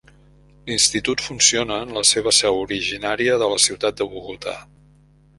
L'Institut funciona en la seva seu originària de la ciutat de Bogotà.